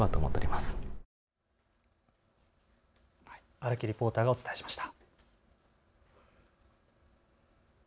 荒木リポーターがお伝えしました。